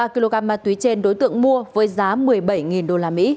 ba kg ma túy trên đối tượng mua với giá một mươi bảy usd